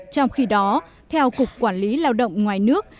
trong khi đó theo cục quản lý lao động ngoài nước